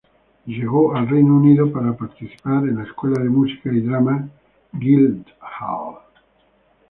Llegó al Reino Unido para participar en la escuela de música y drama Guildhall.